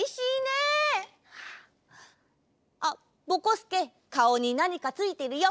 すけかおになにかついてるよ。